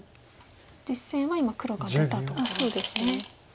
実戦は今黒が出たところですね。